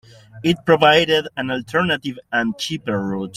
It provided an alternative and cheaper route.